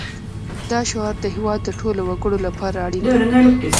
دا شعار د هېواد د ټولو وګړو لپاره اړین دی